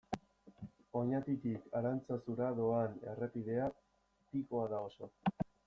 Oñatitik Arantzazura doan errepidea pikoa da oso.